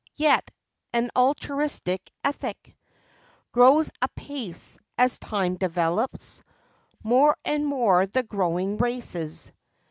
Yet, an altruistic ethic Grows apace, as time develops More and more the growing races.